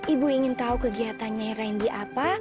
ibu ingin tahu kegiatannya randy apa